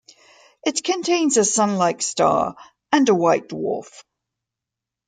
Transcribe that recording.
It contains a Sun-like star and a white dwarf.